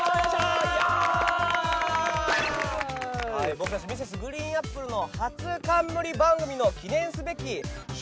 僕たちＭｒｓ．ＧＲＥＥＮＡＰＰＬＥの初冠番組の記念すべき初回収録でございます。